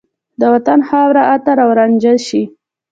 د وطن د خاورو عطر او رانجه شي